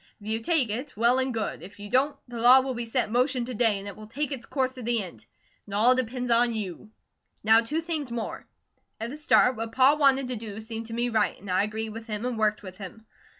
If you take it, well and good; if you don't, the law will be set in motion to day, and it will take its course to the end. It all depends on YOU. "Now two things more. At the start, what Pa wanted to do seemed to me right, and I agreed with him and worked with him.